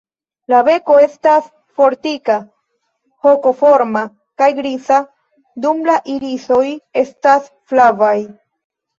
La beko estas fortika, hokoforma kaj griza, dum la irisoj estas flavaj.